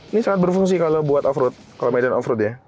ini sangat berfungsi kalau buat off road kalau medan off road ya